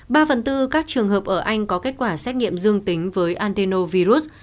ba phần tư các trường hợp ở anh có kết quả xét nghiệm dương tính với antinovirus